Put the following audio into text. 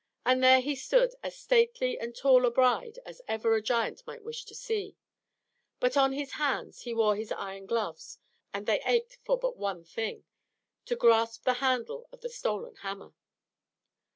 And there he stood, as stately and tall a bride as even a giant might wish to see; but on his hands he wore his iron gloves, and they ached for but one thing to grasp the handle of the stolen hammer.